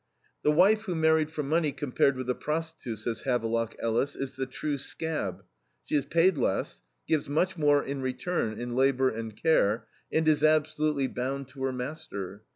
"The wife who married for money, compared with the prostitute," says Havelock Ellis, "is the true scab. She is paid less, gives much more in return in labor and care, and is absolutely bound to her master.